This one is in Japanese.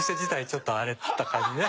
ちょっと荒れた感じね。